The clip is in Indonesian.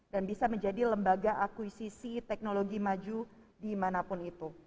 dan bisa menjadi lembaga akuisisi teknologi maju dimanapun itu